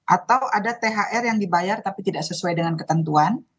atau ada thr yang dibayar tapi tidak sesuai dengan ketentuan